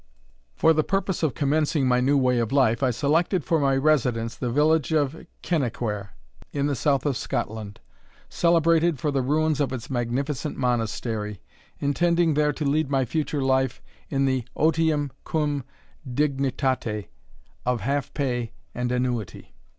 For the purpose of commencing my new way of life, I selected for my residence the village of Kennaquhair, in the south of Scotland, celebrated for the ruins of its magnificent Monastery, intending there to lead my future life in the otium cum dignitate of half pay and annuity.